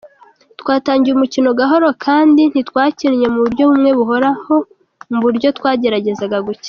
"Twatangiye umukino gahoro kandi ntitwakinnye mu buryo bumwe buhoraho mu buryo twageragezaga gukina.